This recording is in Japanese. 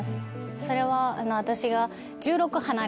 それは私が。